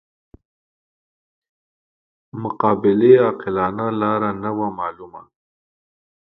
مقابلې عاقلانه لاره نه وه ورمعلومه.